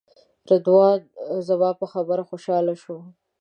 رضوان زما په خبره خوشاله شو.